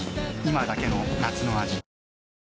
今だけの夏の味